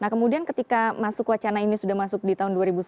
nah kemudian ketika masuk wacana ini sudah masuk di tahun dua ribu sembilan belas